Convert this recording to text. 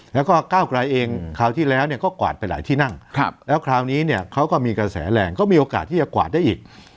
แล้วก็ก้าวกลายเองคราวที่แล้วก็กวาดไปหลายที่นั่งแล้วคราวนี้เนี่ยเขาก็มีกระแสแรงก็มีโอกาสที่จะกวาดได้อีก